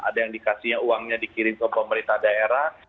ada yang dikasihnya uangnya dikirim ke pemerintah daerah